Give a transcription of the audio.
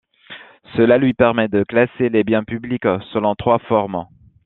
Cela lui permet de classer les biens publics selon trois formes.